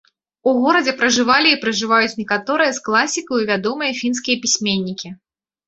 У горадзе пражывалі і пражываюць некаторыя з класікаў і вядомыя фінскія пісьменнікі.